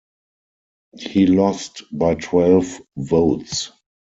He lost by twelve votes.